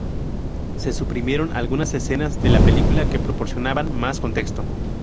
Se suprimieron algunas escenas de la película que proporcionaban más contexto.